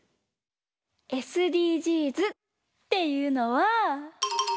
ＳＤＧｓっていうのは。